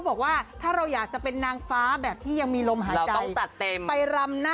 น้องฟ้าเข้ารำเป็นแบบนี้หรอคุณ